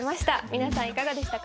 皆さんいかがでしたか？